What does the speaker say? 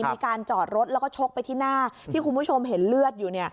มีการจอดรถแล้วก็ชกไปที่หน้าที่คุณผู้ชมเห็นเลือดอยู่เนี่ย